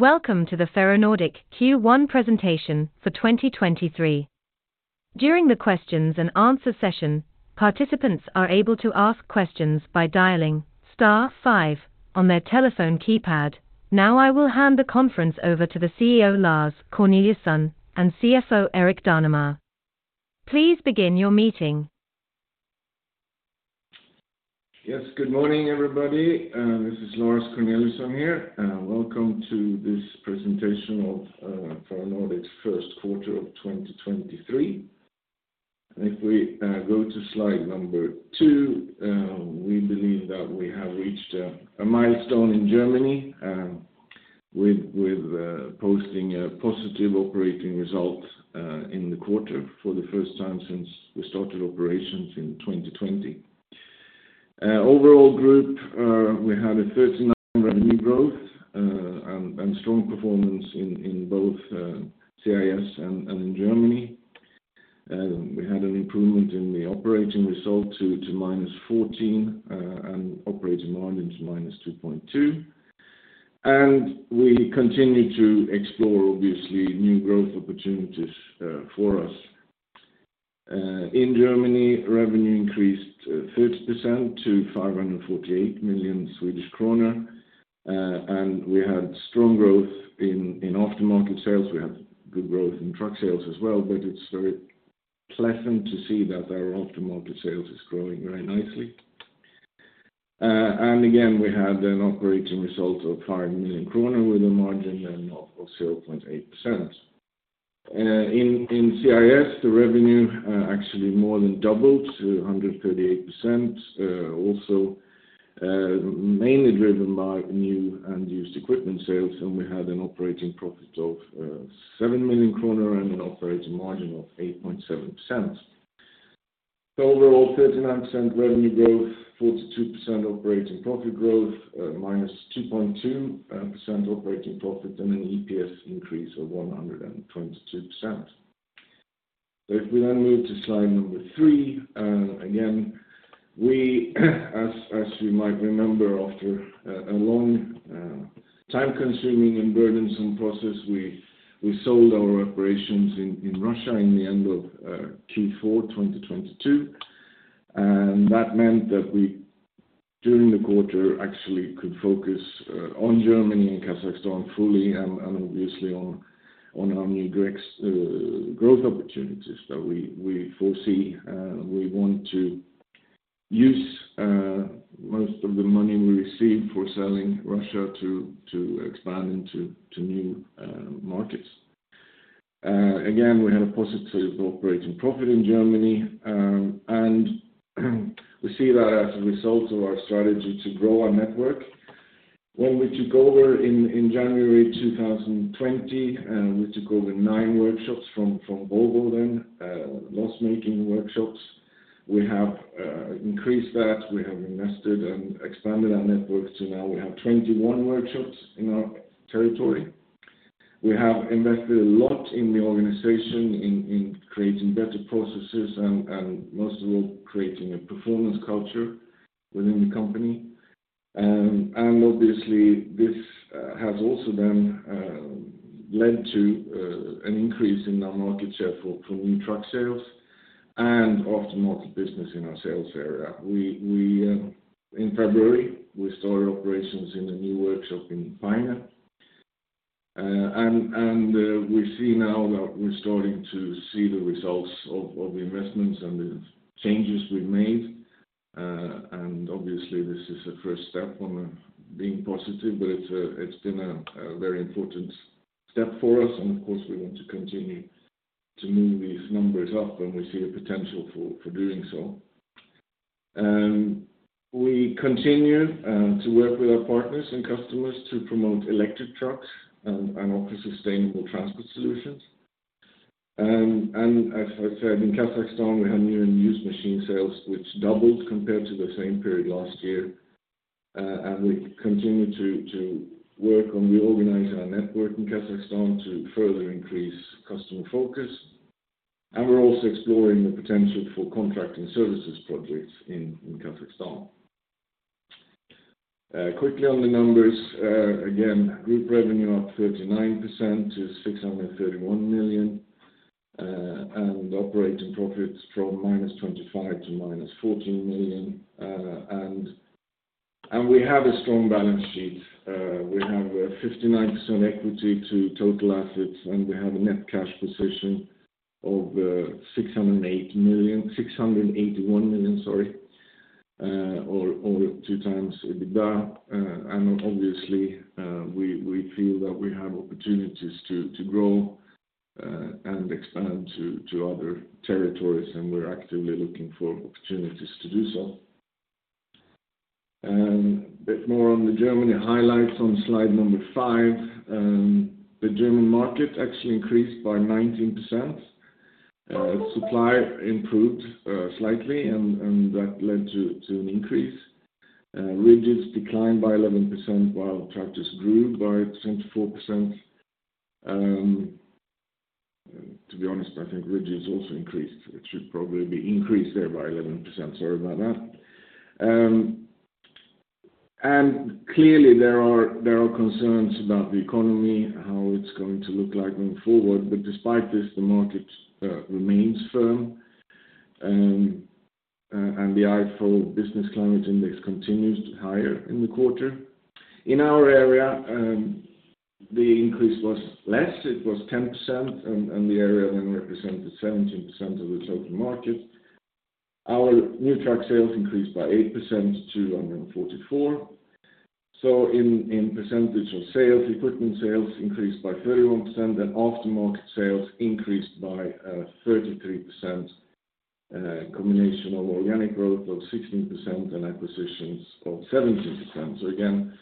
Welcome to the Ferronordic Q1 presentation for 2023. During the questions and answer session, participants are able to ask questions by dialing star five on their telephone keypad. I will hand the conference over to the CEO, Lars Corneliusson, and CFO, Erik Danemar. Please begin your meeting. Yes. Good morning, everybody. This is Lars Corneliusson here. Welcome to this presentation of Ferronordic first quarter of 2023. If we go to slide number two, we believe that we have reached a milestone in Germany, with posting a positive operating result in the quarter for the first time since we started operations in 2020. Overall group, we had a 39% revenue growth and strong performance in both CIS and in Germany. We had an improvement in the operating result to -14 and operating margin to -2.2%. We continue to explore, obviously, new growth opportunities for us. In Germany, revenue increased 30% to 548 million Swedish kronor. We had strong growth in aftermarket sales. We had good growth in truck sales as well, but it's very pleasant to see that our aftermarket sales is growing very nicely. Again, we had an operating result of 5 million kronor with a margin then of 0.8%. In CIS, the revenue actually more than doubled to 138%, also mainly driven by new and used equipment sales. We had an operating profit of 7 million kronor and an operating margin of 8.7%. Overall, 39% revenue growth, 42% operating profit growth, -2.2% operating profit, and an EPS increase of 122%. If we then move to slide number three, again, we as you might remember, after a long, time-consuming and burdensome process, we sold our operations in Russia in the end of Q4 2022. That meant that we, during the quarter, actually could focus on Germany and Kazakhstan fully and obviously on our new direct growth opportunities that we foresee. We want to use most of the money we received for selling Russia to expand into new markets. Again, we had a positive operating profit in Germany, and we see that as a result of our strategy to grow our network. When we took over in January 2020, we took over nine workshops from Volvo then, loss-making workshops. We have increased that. We have invested and expanded our network to now we have 21 workshops in our territory. We have invested a lot in the organization in creating better processes and most of all creating a performance culture within the company. Obviously this has also then led to an increase in our market share for new truck sales and aftermarket business in our sales area. In February, we started operations in the new workshop in Peine. We see now that we're starting to see the results of the investments and the changes we've made. Obviously this is a first step on being positive, but it's been a very important step for us and of course we want to continue to move these numbers up, and we see a potential for doing so. We continue to work with our partners and customers to promote electric trucks and offer sustainable transport solutions. As I said, in Kazakhstan, we had new and used machine sales, which doubled compared to the same period last year. We continue to work on reorganizing our network in Kazakhstan to further increase customer focus. We're also exploring the potential for contracting services projects in Kazakhstan. Quickly on the numbers. Again, group revenue up 39% to 631 million. Operating profits from -25 to -14 million. We have a strong balance sheet. We have a 59% equity to total assets, and we have a net cash position of 681 million, sorry, or two times EBITDA. Obviously, we feel that we have opportunities to grow and expand to other territories, and we're actively looking for opportunities to do so. A bit more on the Germany highlights on slide number five. The German market actually increased by 19%. Supply improved slightly and that led to an increase. Rigids declined by 11% while tractors grew by 24%. To be honest, I think rigids is also increased. It should probably be increased there by 11%. Sorry about that. Clearly there are concerns about the economy, how it's going to look like going forward. Despite this, the market remains firm. The Ifo Business Climate Index continues to higher in the quarter. In our area, the increase was less. It was 10%, and the area then represented 17% of the total market. Our new truck sales increased by 8% to 144. In percentage of sales, equipment sales increased by 31%, and aftermarket sales increased by 33%. Combination of organic growth of 16% and acquisitions of 17%. Again,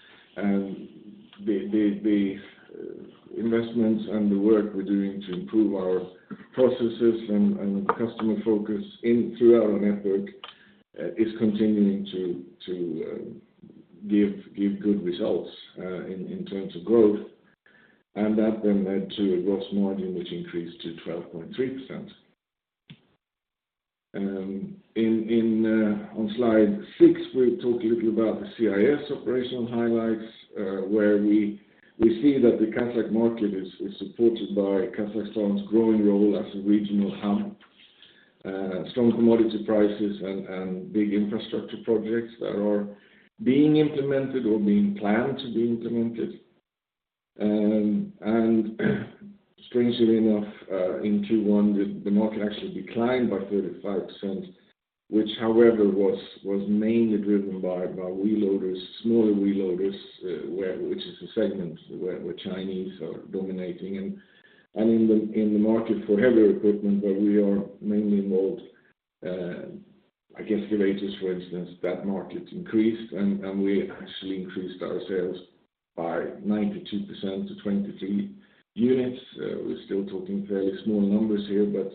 investments and the work we're doing to improve our processes and customer focus throughout our network is continuing to give good results in terms of growth. That then led to a gross margin which increased to 12.3%. On slide six, we talk a little about the CIS operational highlights, where we see that the Kazakh market is supported by Kazakhstan's growing role as a regional hub. Strong commodity prices and big infrastructure projects that are being implemented or being planned to be implemented. Strangely enough, in Q1, the market actually declined by 35%, which however was mainly driven by wheel loaders, smaller wheel loaders, which is a segment where Chinese are dominating. In the market for heavier equipment, where we are mainly involved, like excavators, for instance, that market increased and we actually increased our sales by 92% to 23 units. We're still talking fairly small numbers here, but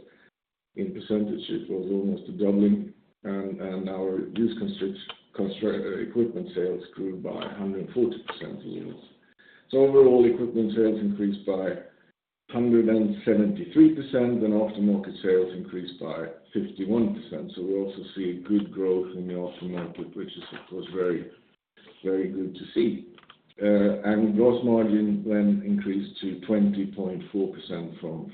in percentage it was almost a doubling. Our used equipment sales grew by 140% in units. Overall equipment sales increased by 173%, and aftermarket sales increased by 51%. We also see good growth in the aftermarket, which is of course very, very good to see. Gross margin then increased to 20.4% from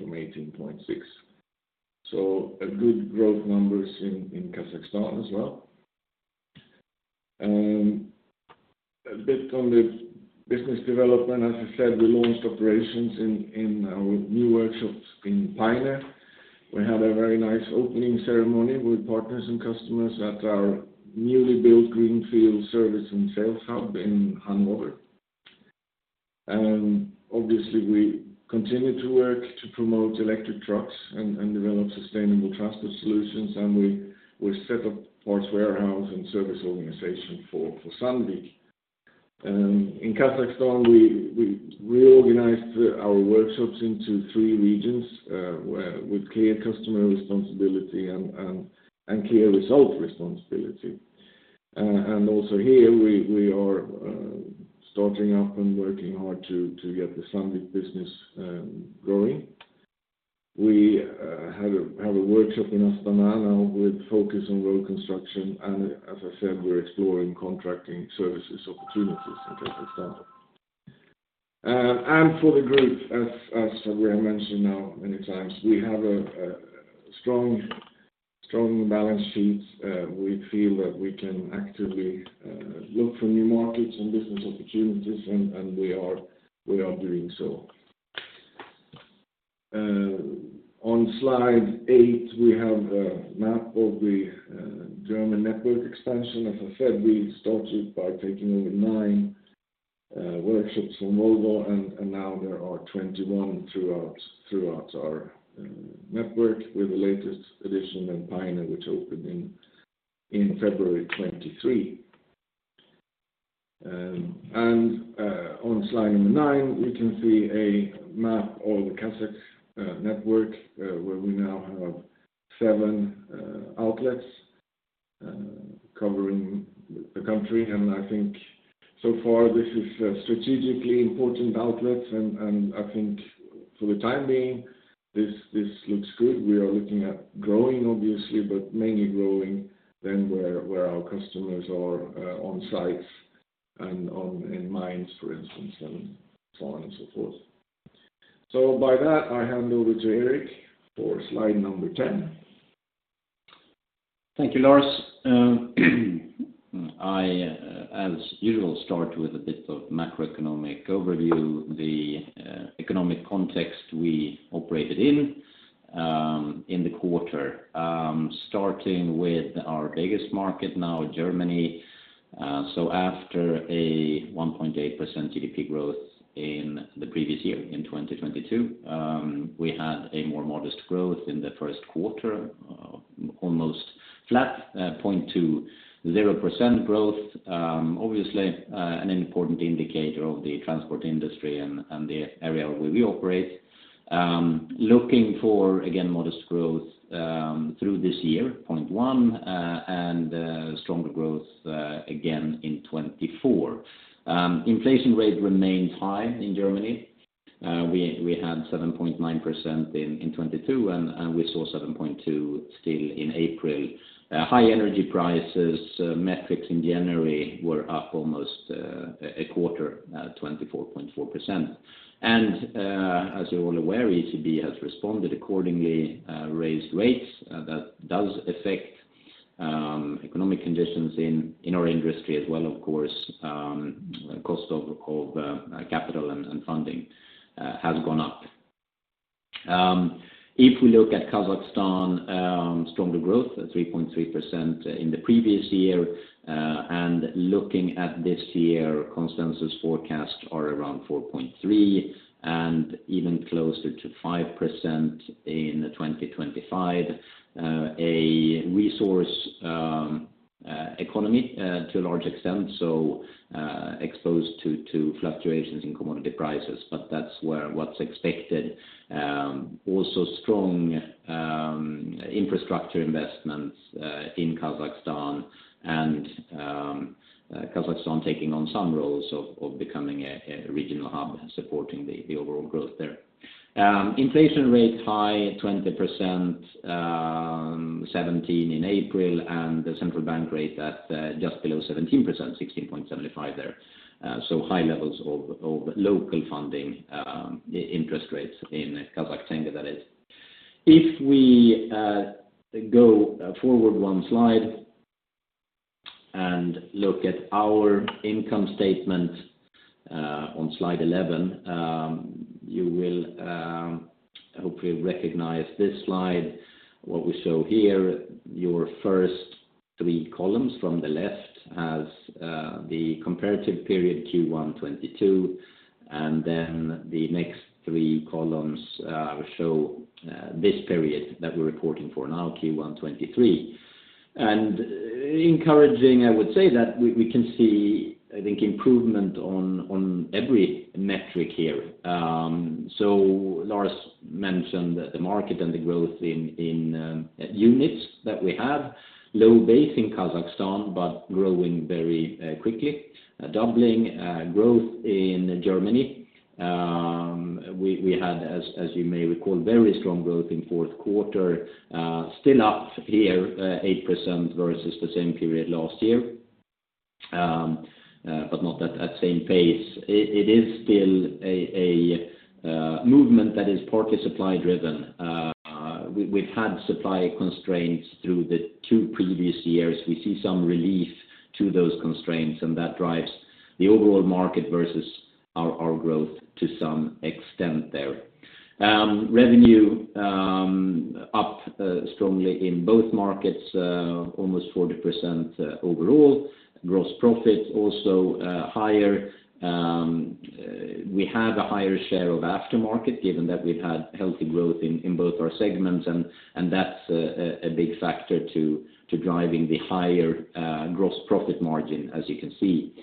18.6%. A good growth numbers in Kazakhstan as well. A bit on the business development, as I said, we launched operations in our new workshops in Peine. We had a very nice opening ceremony with partners and customers at our newly built greenfield service and sales hub in Hanover. Obviously we continue to work to promote electric trucks and develop sustainable transport solutions, and we set up parts warehouse and service organization for Sandvik. In Kazakhstan, we reorganized our workshops into three regions with clear customer responsibility and clear result responsibility. Also here we are starting up and working hard to get the Sandvik business growing. We have a workshop in Astana now with focus on road construction, and as I said, we're exploring contracting services opportunities in Kazakhstan. For the group, as I mentioned now many times, we have a strong balance sheet. We feel that we can actively look for new markets and business opportunities, and we are doing so. On slide nine, we have a map of the German network expansion. As I said, we started by taking over nine workshops from Volvo, and now there are 21 throughout our network, with the latest addition in Peine, which opened in February 2023. On slide nine, we can see a map of the Kazakh network where we now have seven outlets covering the country. I think so far this is a strategically important outlets and I think for the time being this looks good. We are looking at growing obviously, but mainly growing then where our customers are on sites and in mines, for instance, and so on and so forth. With that, I hand over to Erik for slide 10. Thank you, Lars. I, as usual, start with a bit of macroeconomic overview. Economic context we operated in the quarter. Starting with our biggest market now, Germany. After a 1.8% GDP growth in the previous year, in 2022, we had a more modest growth in the first quarter, almost flat, 0.20% growth. Obviously, an important indicator of the transport industry and the area where we operate. Looking for, again, modest growth, through this year, 0.1%, and stronger growth, again in 2024. Inflation rate remains high in Germany. We had 7.9% in 2022, and we saw 7.2% still in April. High energy prices, metrics in January were up almost a quarter, 24.4%. As you're all aware, ECB has responded accordingly, raised rates. That does affect economic conditions in our industry as well, of course. Cost of capital and funding has gone up. If we look at Kazakhstan, stronger growth at 3.3% in the previous year. Looking at this year, consensus forecasts are around 4.3% and even closer to 5% in 2025. A resource economy to a large extent, so exposed to fluctuations in commodity prices, that's where what's expected. Also strong infrastructure investments in Kazakhstan and Kazakhstan taking on some roles of becoming a regional hub supporting the overall growth there. Inflation rate high at 20%, 17% in April, and the central bank rate at just below 17%, 16.75% there. High levels of local funding, interest rates in Kazakh tenges that is. If we go forward one slide and look at our income statement on slide 11, you will hopefully recognize this slide. What we show here, your first three columns from the left has the comparative period Q1 2022, and then the next three columns show this period that we're reporting for now, Q1 2023. Encouraging, I would say that we can see improvement on every metric here. Lars mentioned the market and the growth in units that we have. Low base in Kazakhstan, but growing very quickly. Doubling growth in Germany. We had, as you may recall, very strong growth in fourth quarter, still up here 8% versus the same period last year, but not at that same pace. It is still a movement that is partly supply driven. We've had supply constraints through the two previous years. We see some relief to those constraints, and that drives the overall market versus our growth to some extent there. Revenue up strongly in both markets, almost 40% overall. Gross profit also higher. We have a higher share of aftermarket given that we've had healthy growth in both our segments and that's a big factor to driving the higher gross profit margin, as you can see.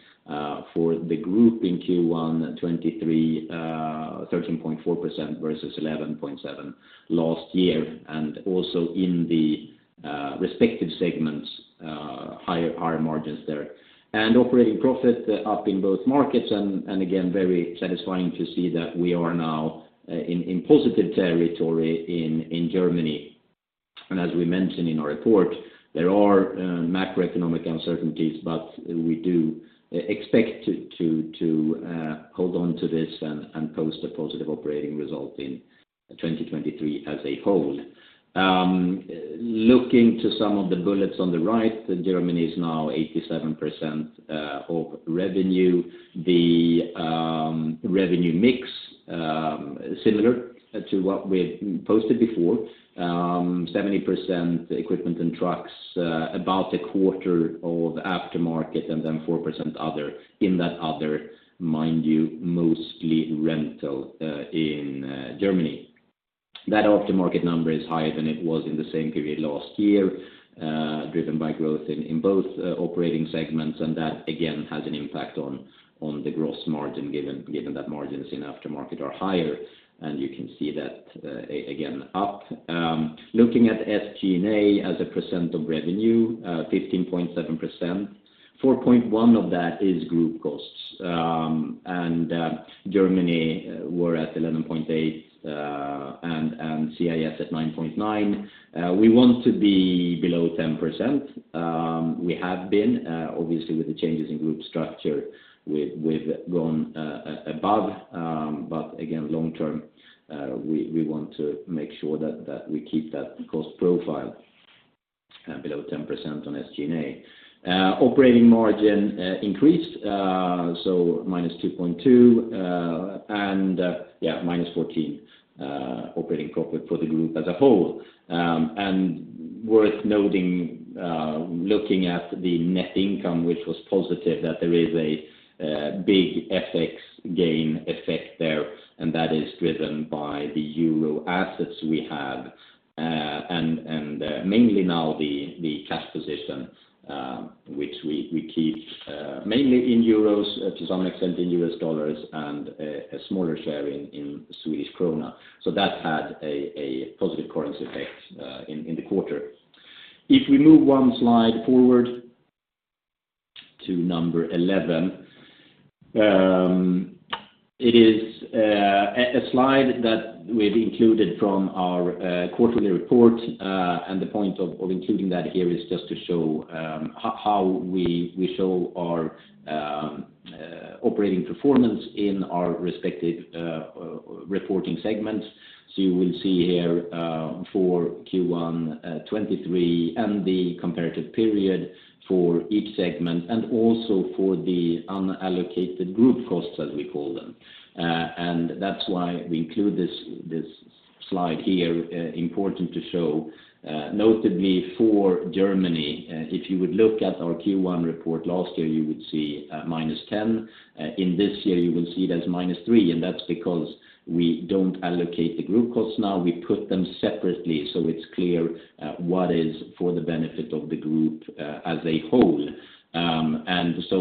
For the group in Q1 2023, 13.4% versus 11.7% last year, and also in the respective segments, higher margins there. Operating profit up in both markets and again, very satisfying to see that we are now in positive territory in Germany. As we mentioned in our report, there are macroeconomic uncertainties, but we do expect to hold on to this and post a positive operating result in 2023 as a whole. Looking to some of the bullets on the right, Germany is now 87% of revenue. Revenue mix, similar to what we've posted before, 70% equipment and trucks, about 25% of aftermarket and then 4% other. In that other, mind you, mostly rental in Germany. That aftermarket number is higher than it was in the same period last year, driven by growth in both operating segments, and that again has an impact on the gross margin given that margins in aftermarket are higher. You can see that again, up. Looking at SG&A as a percent of revenue, 15.7%, 4.1 of that is group costs. Germany we're at 11.8, CIS at 9.9. We want to be below 10%. We have been, obviously with the changes in group structure, we've gone above. Again, long term, we want to make sure that we keep that cost profile below 10% on SG&A. Operating margin increased, minus 2.2%, and yeah, minus 14 operating profit for the group as a whole. Worth noting, looking at the net income, which was positive, that there is a big FX gain effect there. That is driven by the EUR assets we have, and mainly now the cash position, which we keep mainly in EUR to some extent in USD and a smaller share in SEK. That had a positive currency effect in the quarter. If we move one slide forward to number 11. It is a slide that we've included from our quarterly report. The point of including that here is just to show how we show our operating performance in our respective reporting segments. You will see here for Q1 23 and the comparative period for each segment, and also for the unallocated group costs, as we call them. That's why we include this slide here, important to show notably for Germany, if you would look at our Q1 report last year, you would see minus 10. In this year, you will see it as minus three, and that's because we don't allocate the group costs now. We put them separately so it's clear what is for the benefit of the group as a whole.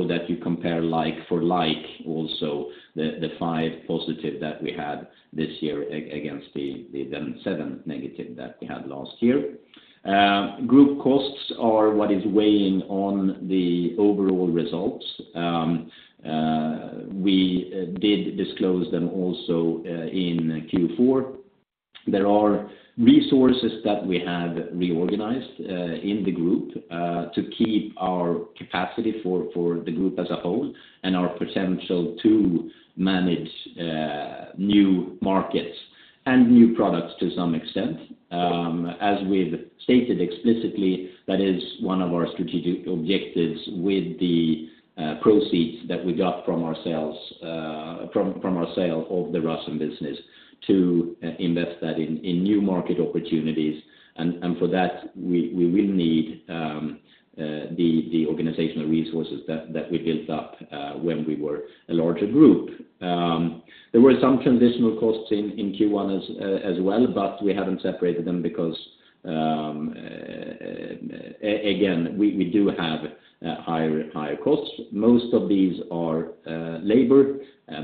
That you compare like for like also the five positive that we had this year against the then seven negative that we had last year. Group costs are what is weighing on the overall results. We did disclose them also in Q4. There are resources that we have reorganized in the group to keep our capacity for the group as a whole and our potential to manage new markets and new products to some extent. As we've stated explicitly, that is one of our strategic objectives with the proceeds that we got from our sales from our sale of the Russian business to invest that in new market opportunities. For that, we will need the organizational resources that we built up when we were a larger group. There were some transitional costs in Q1 as well, but we haven't separated them because again, we do have higher costs. Most of these are labor.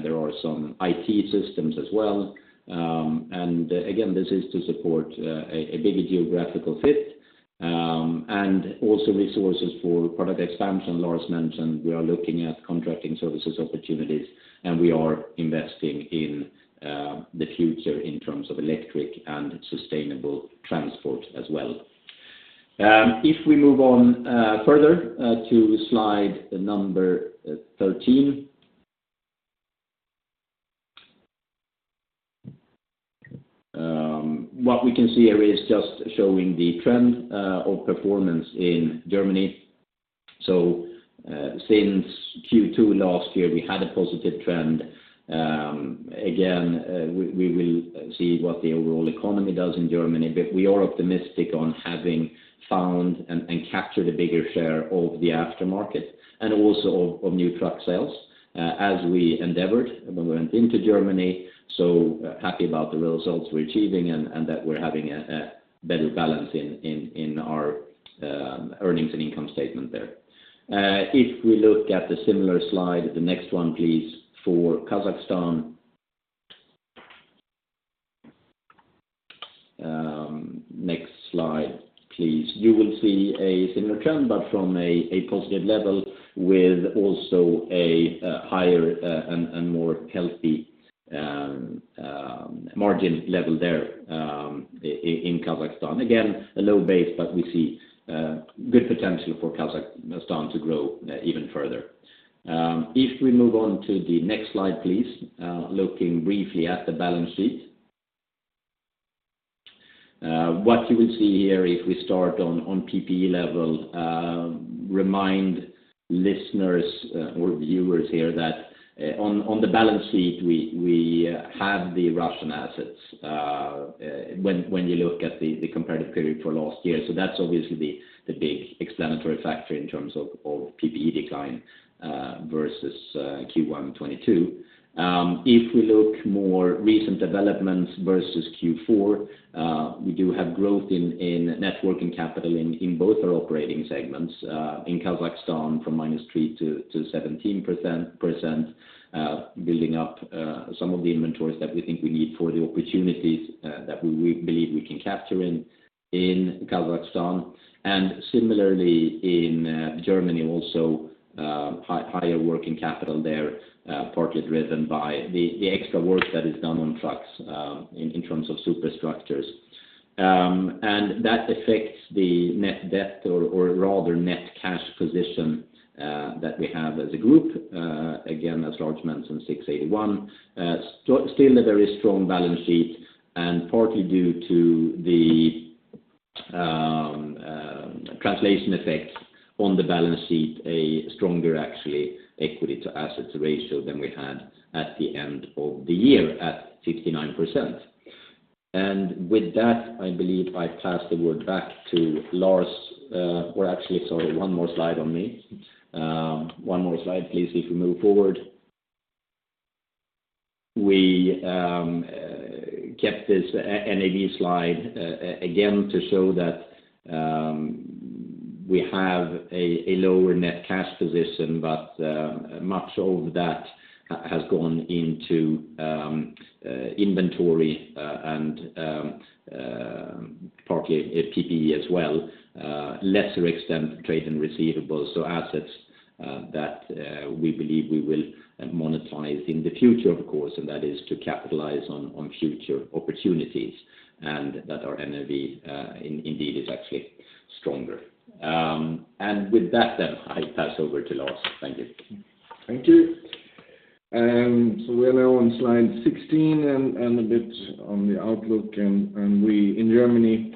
There are some IT systems as well. Again, this is to support a bigger geographical fit and also resources for product expansion. Lars mentioned we are looking at contracting services opportunities, and we are investing in the future in terms of electric and sustainable transport as well. If we move on further to slide number 13. What we can see here is just showing the trend of performance in Germany. Since Q2 last year, we had a positive trend. Again, we will see what the overall economy does in Germany, but we are optimistic on having found and captured a bigger share of the aftermarket and also of new truck sales as we endeavored when we went into Germany. Happy about the results we're achieving and that we're having a better balance in our earnings and income statement there. If we look at the similar slide, the next one, please, for Kazakhstan. Next slide, please. You will see a similar trend, but from a positive level with also a higher and more healthy margin level there in Kazakhstan. Again, a low base, but we see good potential for Kazakhstan to grow even further. If we move on to the next slide, please, looking briefly at the balance sheet. What you will see here if we start on PPE level, remind listeners or viewers here that on the balance sheet, we had the Russian assets when you look at the comparative period for last year. That's obviously the big explanatory factor in terms of PPE decline versus Q1 2022. If we look more recent developments versus Q4, we do have growth in net working capital in both our operating segments in Kazakhstan from -3% to 17%, building up some of the inventories that we think we need for the opportunities that we believe we can capture in Kazakhstan. Similarly in Germany also, higher working capital there, partly driven by the extra work that is done on trucks in terms of superstructures. That affects the net debt or rather net cash position that we have as a group, again, as Lars mentioned, 681 million. Still a very strong balance sheet and partly due to the translation effect on the balance sheet, a stronger actually equity to assets ratio than we had at the end of the year at 59%. With that, I believe I pass the word back to Lars. Or actually, sorry, one more slide on me. One more slide, please, if we move forward. We kept this NAV slide again, to show that we have a lower net cash position, but much of that has gone into inventory and partly PPE as well, lesser extent trade and receivables. Assets that we believe we will monetize in the future, of course, and that is to capitalize on future opportunities, and that our NAV indeed is actually stronger. With that then, I pass over to Lars. Thank you. Thank you. We're now on slide 16 and a bit on the outlook. In Germany,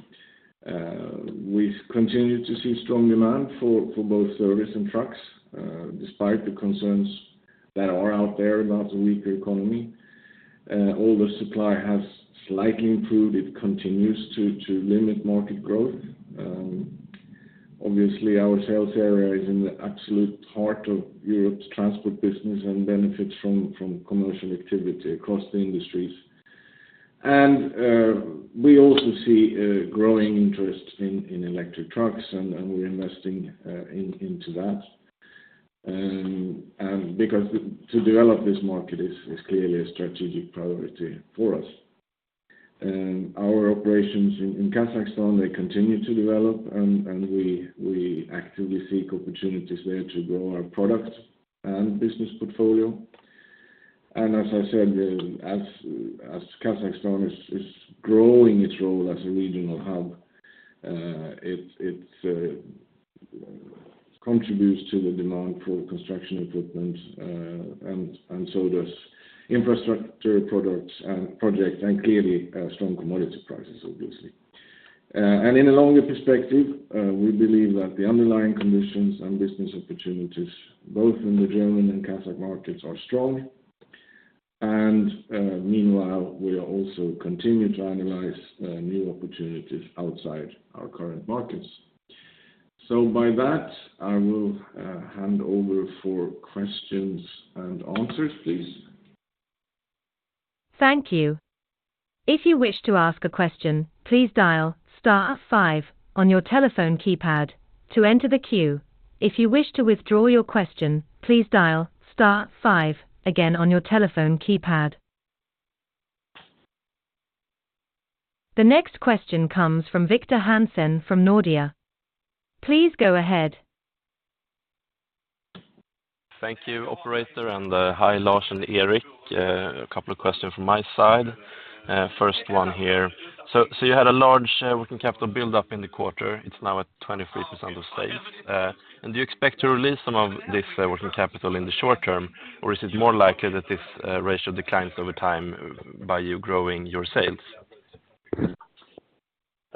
we've continued to see strong demand for both service and trucks despite the concerns that are out there about the weaker economy. All the supply has slightly improved. It continues to limit market growth. Obviously, our sales area is in the absolute heart of Europe's transport business and benefits from commercial activity across the industries. We also see a growing interest in electric trucks, and we're investing into that. Because to develop this market is clearly a strategic priority for us. Our operations in Kazakhstan, they continue to develop and we actively seek opportunities there to grow our product and business portfolio. As I said, as Kazakhstan is growing its role as a regional hub, it contributes to the demand for construction equipment, and so does infrastructure products and projects, and clearly, strong commodity prices, obviously. In a longer perspective, we believe that the underlying conditions and business opportunities both in the German and Kazakh markets are strong. Meanwhile, we are also continuing to analyze new opportunities outside our current markets. By that, I will hand over for questions and answers, please. Thank you. If you wish to ask a question, please dial star five on your telephone keypad to enter the queue. If you wish to withdraw your question, please dial star five again on your telephone keypad. The next question comes from Victor Hansen from Nordea. Please go ahead. Thank you, operator. Hi, Lars and Erik. A couple of questions from my side. First one here. You had a large working capital build up in the quarter. It's now at 23% of sales. Do you expect to release some of this working capital in the short term, or is it more likely that this ratio declines over time by you growing your sales?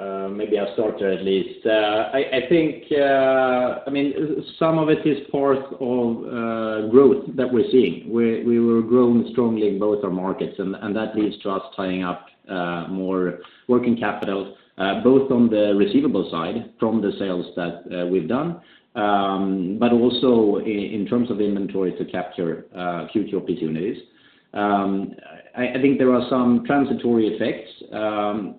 Maybe I'll start at least. I think, I mean, some of it is part of growth that we're seeing, where we were growing strongly in both our markets, and that leads to us tying up more working capital, both on the receivable side from the sales that we've done, but also in terms of inventory to capture future opportunities. I think there are some transitory effects,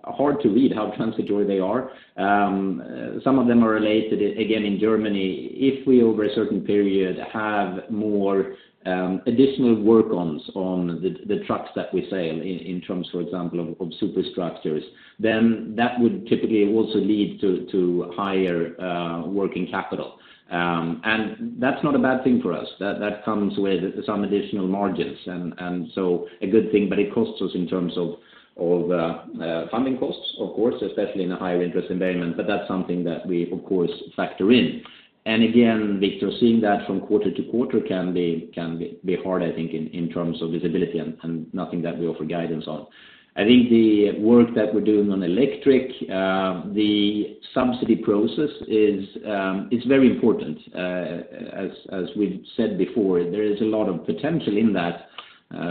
hard to read how transitory they are. Some of them are related, in Germany, if we over a certain period have more additional work-ons on the trucks that we sell in terms, for example, of superstructures, then that would typically also lead to higher working capital. That's not a bad thing for us. That comes with some additional margins, and so a good thing, but it costs us in terms of funding costs, of course, especially in a higher interest environment. That's something that we, of course, factor in. Again, Victor, seeing that from quarter to quarter can be hard, I think, in terms of visibility and nothing that we offer guidance on. I think the work that we're doing on electric, the subsidy process is very important. As we've said before, there is a lot of potential in that,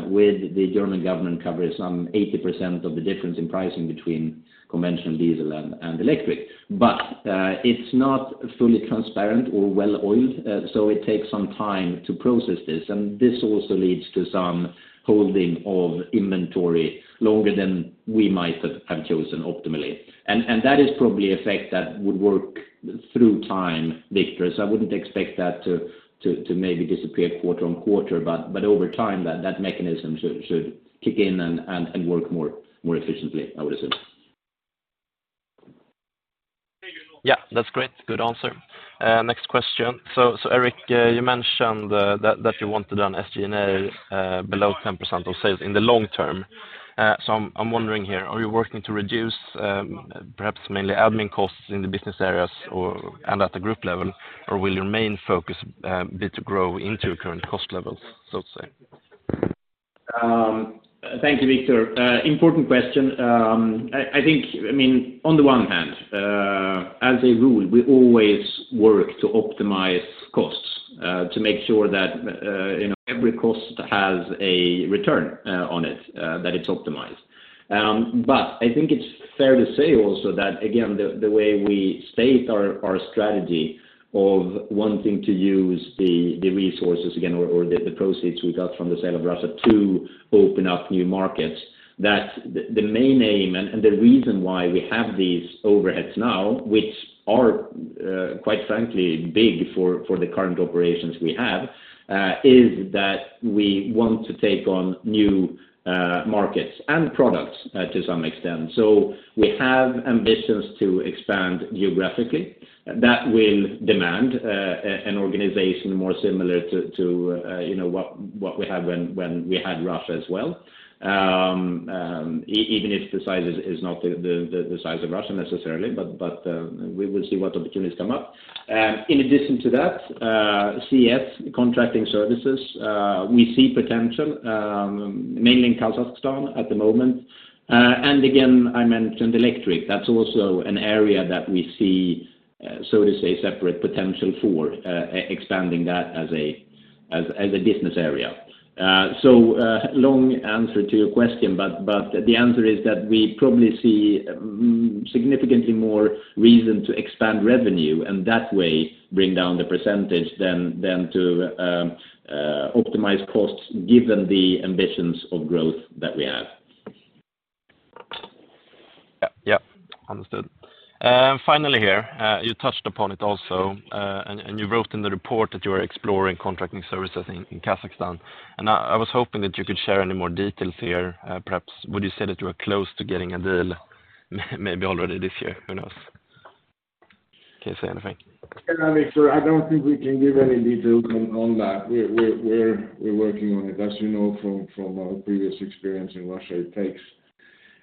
with the German government covering some 80% of the difference in pricing between conventional diesel and electric. It's not fully transparent or well-oiled, so it takes some time to process this. This also leads to some holding of inventory longer than we might have chosen optimally. That is probably effect that would work through time, Victor. I wouldn't expect that to maybe disappear quarter on quarter, but over time, that mechanism should kick in and work more efficiently, I would assume. Yeah, that's great. Good answer. Next question. Erik, you mentioned that you wanted an SG&A below 10% of sales in the long term. I'm wondering here, are you working to reduce perhaps mainly admin costs in the business areas or, and at a group level, or will your main focus be to grow into current cost levels, so to say? Thank you, Victor. Important question. I think, I mean, on the one hand, as a rule, we always work to optimize costs, to make sure that, you know, every cost has a return on it, that it's optimized. I think it's fair to say also that again, the way we state our strategy of wanting to use the resources again, or the proceeds we got from the sale of Russia to open up new markets, that the main aim and the reason why we have these overheads now, which are quite frankly, big for the current operations we have, is that we want to take on new markets and products to some extent. We have ambitions to expand geographically that will demand an organization more similar to you know, what we had when we had Russia as well. Even if the size is not the size of Russia necessarily, but we will see what opportunities come up. In addition to that, CS, contracting services, we see potential mainly in Kazakhstan at the moment. Again, I mentioned electric. That's also an area that we see, so to say, separate potential for expanding that as a business area. Long answer to your question, but the answer is that we probably see significantly more reason to expand revenue, and that way bring down the percentage than to optimize costs given the ambitions of growth that we have. Yeah. Yep, understood. Finally here, you touched upon it also, and you wrote in the report that you are exploring contracting services in Kazakhstan, and I was hoping that you could share any more details here. Perhaps would you say that you are close to getting a deal maybe already this year? Who knows? Can you say anything? I don't think we can give any details on that. We're working on it. As you know from our previous experience in Russia,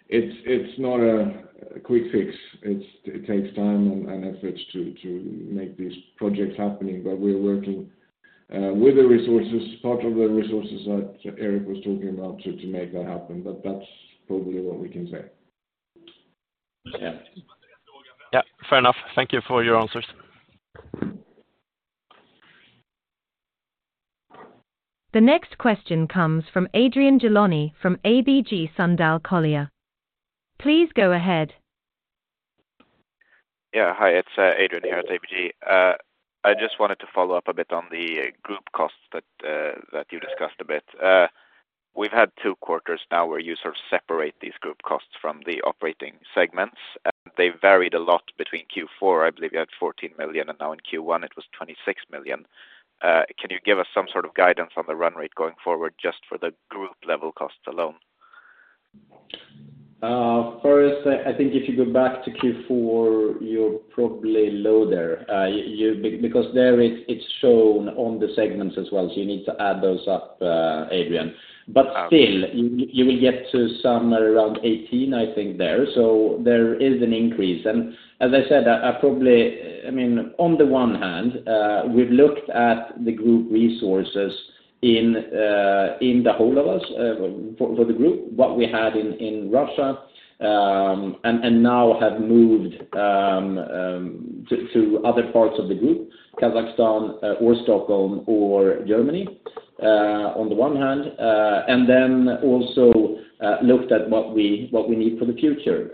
it's not a quick fix. It takes time and efforts to make these projects happening. We're working with the resources, part of the resources that Erik was talking about to make that happen. That's probably what we can say. Yeah. Yeah, fair enough. Thank you for your answers. The next question comes from Adrian Gilani from ABG Sundal Collier. Please go ahead. Hi, it's Adrian here at ABG. I just wanted to follow up a bit on the group costs that you discussed a bit. We've had two quarters now where you sort of separate these group costs from the operating segments. They varied a lot between Q4, I believe you had 14 million, and now in Q1 it was 26 million. Can you give us some sort of guidance on the run rate going forward just for the group level costs alone? First, I think if you go back to Q4, you're probably low there. Because there it's shown on the segments as well, so you need to add those up, Adrian. You will get to somewhere around 18, I think there. There is an increase. As I said, I mean, on the one hand, we've looked at the group resources in the whole of us for the group, what we had in Russia, and now have moved to other parts of the group, Kazakhstan or Stockholm or Germany, on the one hand, and then also looked at what we need for the future.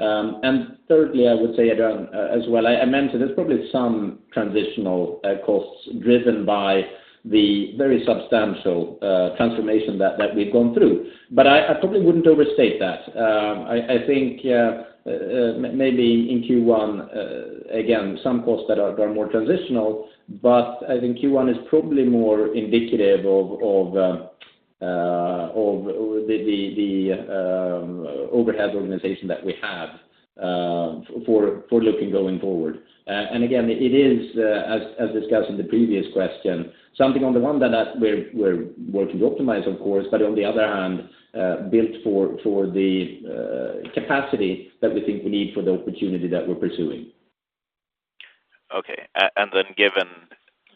Thirdly, I would say, Adrian, as well, I mentioned there's probably some transitional costs driven by the very substantial transformation that we've gone through. I probably wouldn't overstate that. I think maybe in Q1, again, some costs that are more transitional, but I think Q1 is probably more indicative of the overhead organization that we have for looking going forward. Again, it is as discussed in the previous question, something on the one that we're working to optimize of course, but on the other hand, built for the capacity that we think we need for the opportunity that we're pursuing. Okay.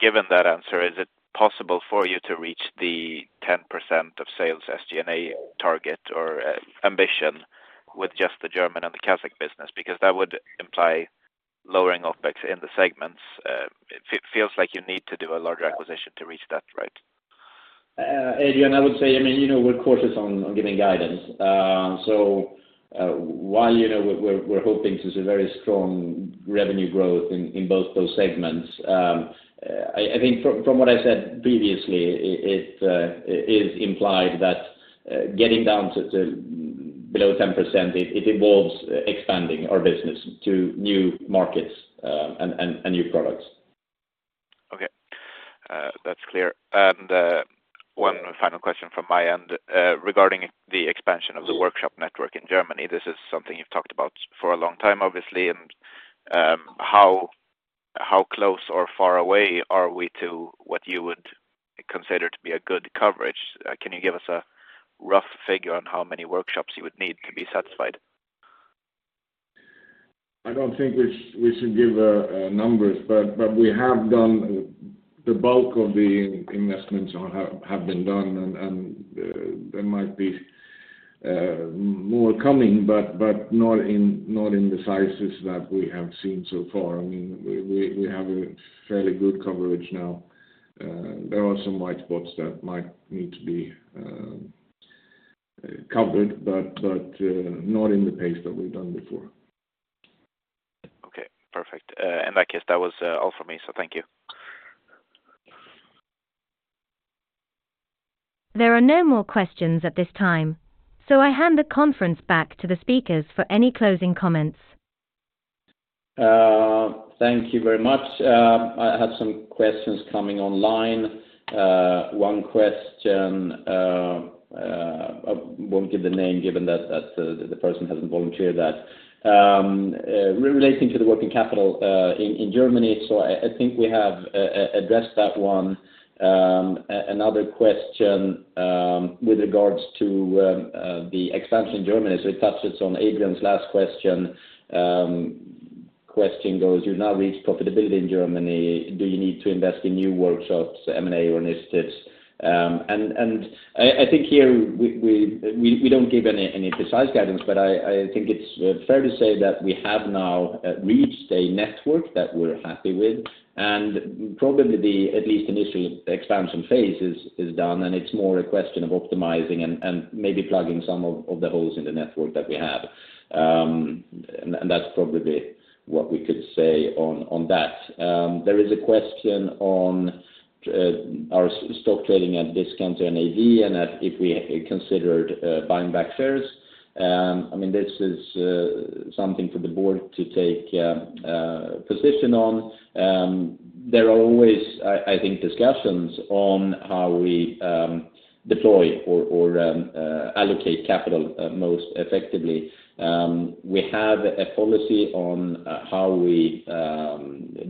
Given that answer, is it possible for you to reach the 10% of sales SG&A target or ambition with just the German and the Kazakh business? Because that would imply lowering OpEx in the segments. It feels like you need to do a larger acquisition to reach that, right? Adrian, I would say, I mean, you know, we're cautious on giving guidance. While, you know, we're hoping to see very strong revenue growth in both those segments, I think from what I said previously, it is implied that getting down to below 10% it involves expanding our business to new markets and new products. Okay. That's clear. One final question from my end. Regarding the expansion of the workshop network in Germany, this is something you've talked about for a long time, obviously. How, how close or far away are we to what you would consider to be a good coverage? Can you give us a rough figure on how many workshops you would need to be satisfied? I don't think we should give numbers, but we have done the bulk of the investments have been done and there might be more coming, but not in the sizes that we have seen so far. I mean, we have a fairly good coverage now. There are some white spots that might need to be covered, but not in the pace that we've done before. Okay, perfect. In that case, that was all for me, so thank you. There are no more questions at this time, so I hand the conference back to the speakers for any closing comments. Thank you very much. I have some questions coming online. One question, I won't give the name given that the person hasn't volunteered that. Relating to the working capital in Germany. I think we have addressed that one. Another question, with regards to the expansion in Germany, it touches on Adrian's last question. Question goes, you've now reached profitability in Germany, do you need to invest in new workshops, M&A initiatives? I think here we don't give any precise guidance, but I think it's fair to say that we have now reached a network that we're happy with, and probably the, at least initially, expansion phase is done, and it's more a question of optimizing and maybe plugging some of the holes in the network that we have. That's probably what we could say on that. There is a question on our stock trading at discount to NAV, and if we considered buying back shares. I mean, this is something for the board to take a position on. There are always, I think, discussions on how we deploy or allocate capital most effectively. We have a policy on how we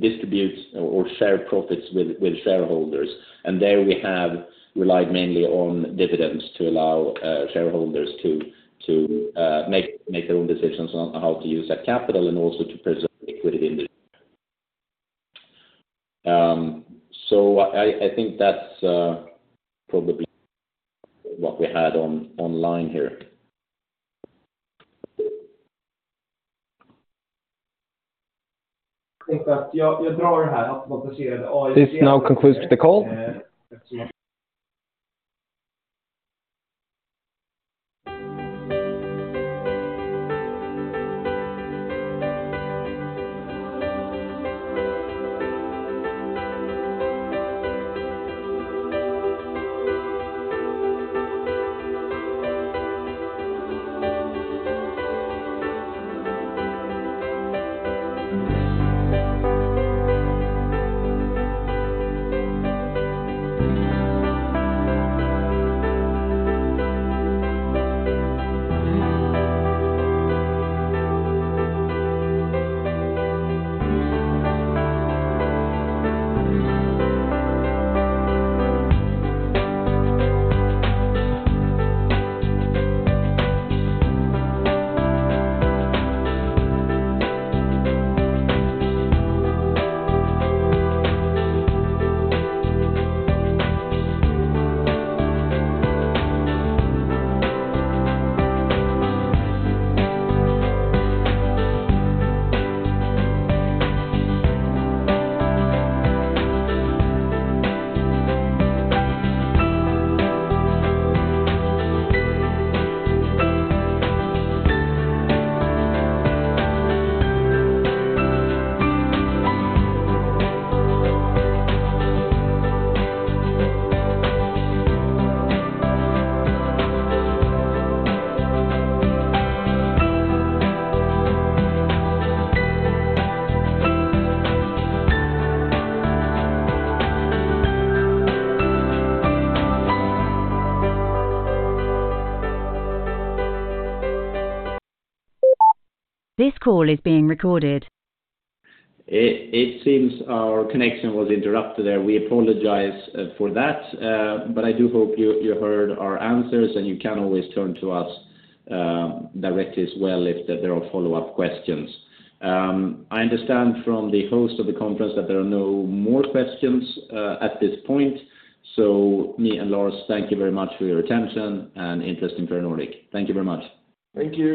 distribute or share profits with shareholders. There we have relied mainly on dividends to allow shareholders to make their own decisions on how to use that capital and also to preserve liquidity in the. I think that's probably what we had online here. This now concludes the call. This call is being recorded. It seems our connection was interrupted there. We apologize for that. But I do hope you heard our answers, and you can always turn to us directly as well if there are follow-up questions. I understand from the host of the conference that there are no more questions at this point. Me and Lars thank you very much for your attention and interest in Ferronordic. Thank you very much. Thank you.